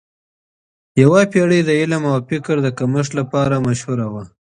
یوه پیړۍ د علم او فکر د کمښت لپاره مشهوره وه.